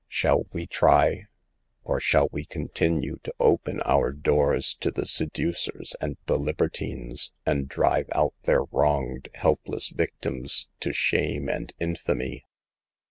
Shall we try ? Or shall we continue to open our doors to the seducers and the libertines, and drive out their wronged, helpless victims to shame and infamy